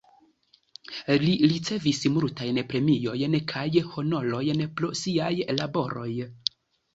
Li ricevis multajn premiojn kaj honorojn pro siaj laboroj.